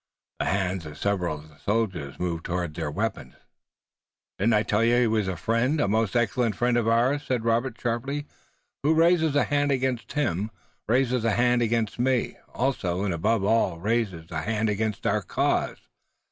The hands of several of the soldiers moved towards their weapons. "Did I not tell you that he was a friend, a most excellent friend of ours?" said Robert sharply. "Who raises a hand against him raises a hand against me also, and above all raises a hand against our cause.